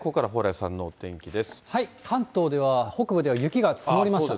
関東では、北部では雪が積もりました。